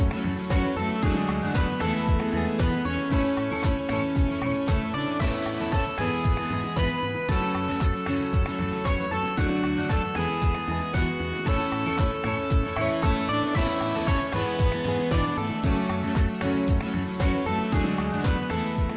โปรดติดตามตอนต่อไป